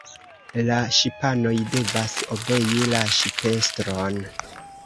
La ŝipanoj devas obei la ŝipestron.